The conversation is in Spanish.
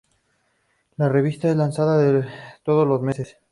La revista es lanzada todos los meses.